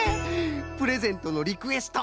プレゼントのリクエスト